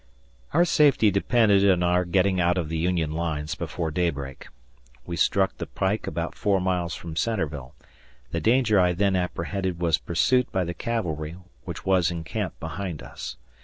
Our safety depended on our getting out of the Union lines before daybreak. We struck the pike about four miles from Centreville; the danger I then apprehended was pursuit by the cavalry, which was in camp behind us.